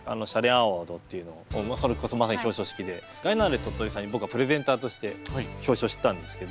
アウォードっていうのをそれこそまさに表彰式でガイナーレ鳥取さんに僕はプレゼンターとして表彰してたんですけど